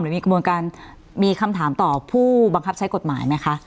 มีกระบวนการมีคำถามต่อผู้บังคับใช้กฎหมายไหมคะ